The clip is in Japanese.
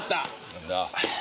何だ？